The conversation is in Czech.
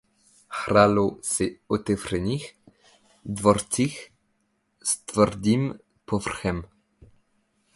Hrálo se otevřených dvorcích s tvrdým povrchem.